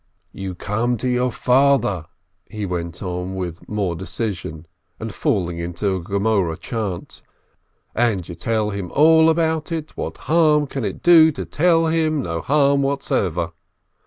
"You come to your father," he went on with more decision, and falling into a Gemoreh chant, "and you tell him all about it. What harm can it do to tell him ? No harm whatever.